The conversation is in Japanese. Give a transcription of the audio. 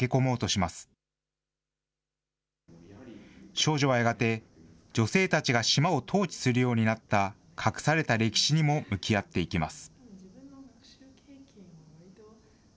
少女はやがて、女性たちが島を統治することになった、隠された歴史にも向き合っていきます。